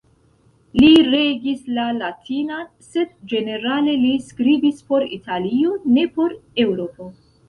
Li regis la latinan, sed ĝenerale li skribis por Italio, ne por Eŭropo.